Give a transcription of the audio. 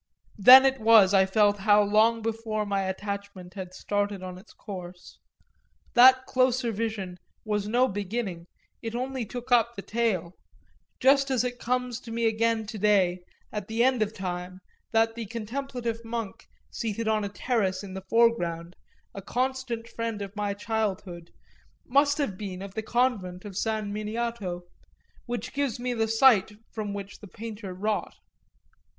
Then it was I felt how long before my attachment had started on its course that closer vision was no beginning, it only took up the tale; just as it comes to me again to day, at the end of time, that the contemplative monk seated on a terrace in the foreground, a constant friend of my childhood, must have been of the convent of San Miniato, which gives me the site from which the painter wrought.